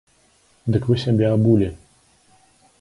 Дык вы сябе абулі!